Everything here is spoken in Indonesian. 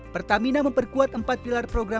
pertamina memperkuat empat pilar program